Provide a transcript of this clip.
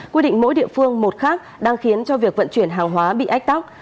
quy định mỗi địa phương một khác đang khiến cho việc vận chuyển hàng hóa bị ách tắc